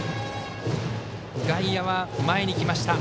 外野は前に来ました。